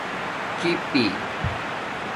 چپئ